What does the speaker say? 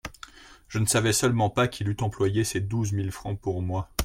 Je ne savais seulement pas qu'il eût employé ces douze mille francs pour moi.